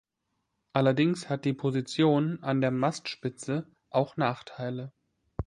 Allerdings hat die Position an der Mastspitze auch Nachteile.